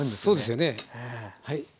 そうですよねはい。